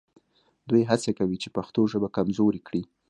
دوی هڅه کوي چې پښتو ژبه کمزورې کړي